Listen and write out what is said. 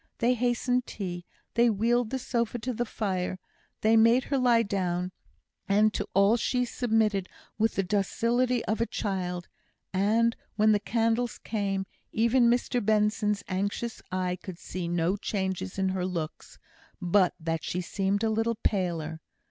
They hastened tea; they wheeled the sofa to the fire; they made her lie down; and to all she submitted with the docility of a child; and when the candles came, even Mr Benson's anxious eye could see no change in her looks, but that she seemed a little paler.